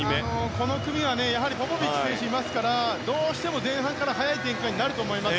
この組はポポビッチ選手がいますからどうしても前半から速い展開になると思います。